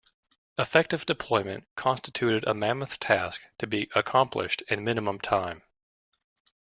Effective deployment constituted a mammoth task to be accomplished in minimum time.